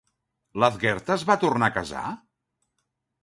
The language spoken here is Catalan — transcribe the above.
Lathgertha es va tornar a casar?